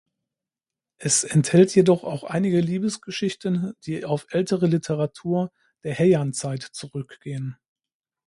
Es enthält jedoch auch einige Liebesgeschichten, die auf ältere Literatur der Heian-Zeit zurückgehen.